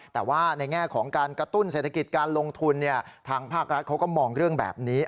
แต่ว่าในแง่ของการกระตุ้นเศรษฐกิจการลงทุนทางภาครัฐเขาก็มองเรื่องแบบนี้